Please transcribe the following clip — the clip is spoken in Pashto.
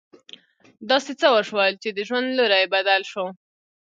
داسې څه وشول چې د ژوند لوری يې بدل شو.